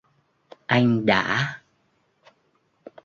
Anh đã